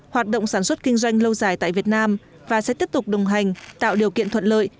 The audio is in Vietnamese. hoạt động sản xuất kinh doanh lâu dài tại việt nam và sẽ tiếp tục đồng hành tạo điều kiện thuận lợi